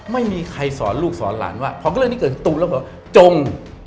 ไม่มีใครสอนลูกสอนหลานว่าพอเรื่องนี้เกิดคุณตูนแล้วบอกจง